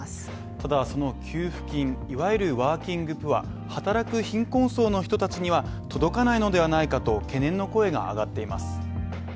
ただその給付金、いわゆるワーキングプア、働く貧困層の人たちには届かないのではないかと懸念の声が上がっています